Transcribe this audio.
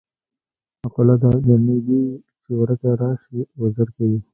مقوله ده: د میږي چې ورکه راشي وزر کوي.